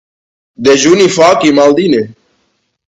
Dejuni fa qui mal dina.